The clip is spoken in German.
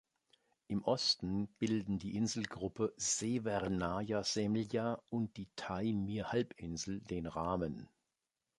Im Osten bilden die Inselgruppe Sewernaja Semlja und die Taimyr-Halbinsel den Rahmen.